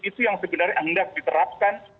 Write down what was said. itu yang sebenarnya hendak diterapkan